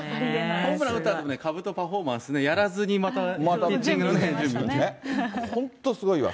ホームラン打ったあとのかぶとパフォーマンスもやらずにまた本当、すごいわ。